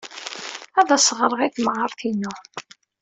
Ad as-ɣreɣ i temɣart-inu.